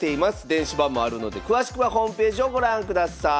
電子版もあるので詳しくはホームページをご覧ください。